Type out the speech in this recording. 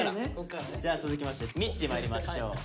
じゃあ続きましてみっちーまいりましょう。